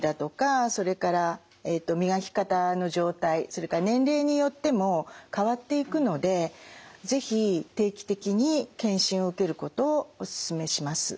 それから年齢によっても変わっていくので是非定期的に健診を受けることをお勧めします。